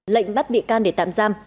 lệnh bắt bị can để tạm giam